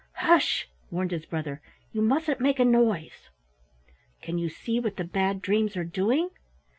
"Hush," warned his brother, "you mustn't make a noise! Can you see what the Bad Dreams are doing?"